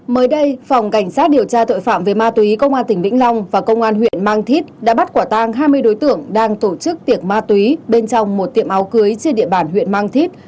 mới đây phòng cảnh sát điều tra tội phạm về ma túy công an tỉnh vĩnh long và công an huyện mang thít đã bắt quả tang hai mươi đối tượng đang tổ chức tiệc ma túy bên trong một tiệm áo cưới trên địa bàn huyện mang thít